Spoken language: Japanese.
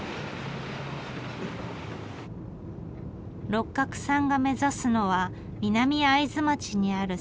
六角さんが目指すのは南会津町にある酒蔵さん。